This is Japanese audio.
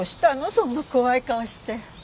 そんな怖い顔して。